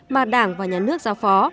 mà đảng và nhà nước giáo phó